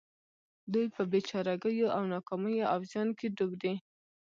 دوی په بې چارګيو او ناکاميو او زيان کې ډوب دي.